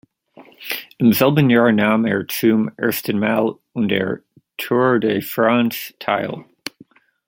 Im selben Jahr nahm er zum ersten Mal an der Tour de France teil.